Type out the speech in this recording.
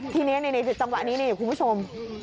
ทีนี้ในจังหวะนี้คุณผู้ชม